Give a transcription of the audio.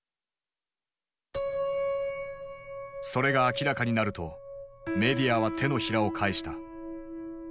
それが明らかになるとメディアは手のひらを返した。